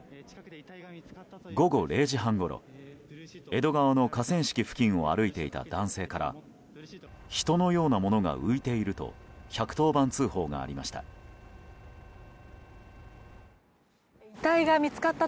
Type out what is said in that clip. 午後０時半ごろ、江戸川の河川敷付近を歩いていた男性から人のようなものが浮いていると１１０番通報がありました。